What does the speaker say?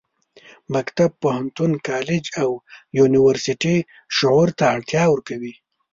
مکتب، پوهنتون، کالج او یونیورسټي شعور ته ارتقا ورکوي.